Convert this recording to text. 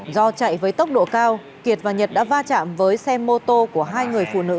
do chạy với tốc độ cao kiệt và nhật đã va chạm với xe mô tô của hai người phụ nữ